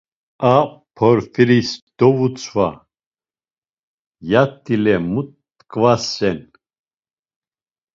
A Porfiris dovutzva, yat̆ile mu t̆ǩvasen?